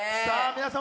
皆様